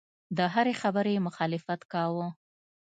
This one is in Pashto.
د هرې خبرې یې مخالفت کاوه.